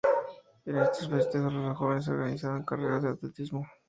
En estos festejos los jóvenes organizaban carreras de atletismo.